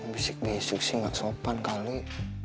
bisik bisik sih gak sopan kali